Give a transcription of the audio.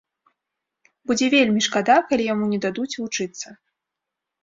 Будзе вельмі шкада, калі яму не дадуць вучыцца.